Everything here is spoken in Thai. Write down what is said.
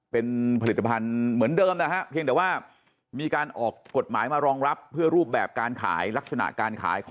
เป็นผลิตภัณฑ์เหมือนเดิมนะฮะ